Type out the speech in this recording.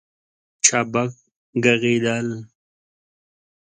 چابک ږغېدل